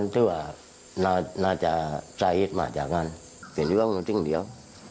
ถือว่าน่าจะทรายฮิตมาจากกันเป็นอย่างจริงเดียว